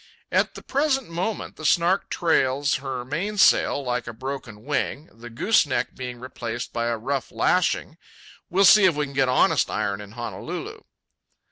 At the present moment the Snark trails her mainsail like a broken wing, the gooseneck being replaced by a rough lashing. We'll see if we can get honest iron in Honolulu.